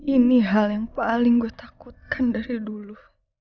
ini hal yang paling gue takutkan dari dulu